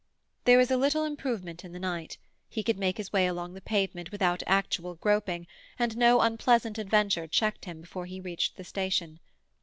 There was a little improvement in the night; he could make his way along the pavement without actual groping, and no unpleasant adventure checked him before he reached the station.